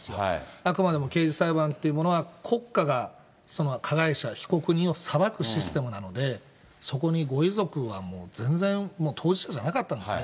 あくまでも刑事裁判っていうのは、国家が加害者、被告人を裁くシステムなので、そこにご遺族はもう、全然当事者じゃなかったんですね。